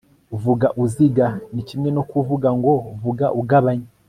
vuga uziga ni kimwe no kuvuga ngo vuga ugabanya